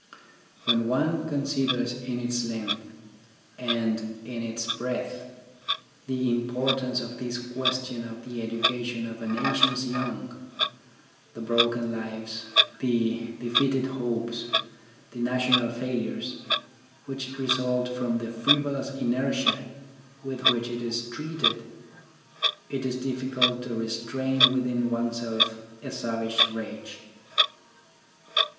When one considers in its length and in its breadth the importance of this question of the 28 THE ORGANISATION OF THOUGHT education of a nation's young, the broken lives, the defeated hopes, the national failures, which result from the frivolous inertia with which it is treated, it is difficult to restrain within oneself a savage rage.